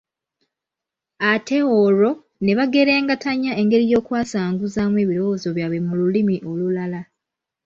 Ate olwo ne bagerengetanya engeri y’okwasanguzaamu ebirowoozo byabwe mu lulimi olulala.